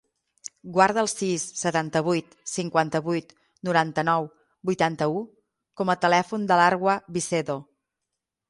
Guarda el sis, setanta-vuit, cinquanta-vuit, noranta-nou, vuitanta-u com a telèfon de l'Arwa Vicedo.